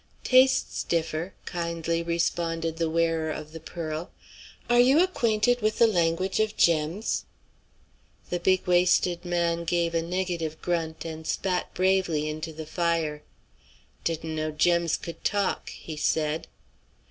"Tastes differ," kindly responded the wearer of the pearl. "Are you acquainted with the language of gems?" The big waisted man gave a negative grunt, and spat bravely into the fire. "Didn't know gems could talk," he said.